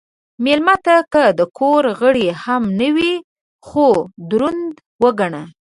مېلمه ته که د کور غړی هم نه وي، خو دروند وګڼه.